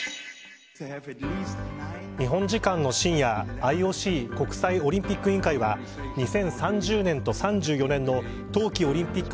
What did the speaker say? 日本時間の深夜ＩＯＣ＝国際オリンピック委員会は２０３０年と３４年の冬季オリンピック